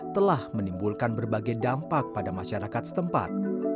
telah menimbulkan berbagai dampak pada masyarakat setempat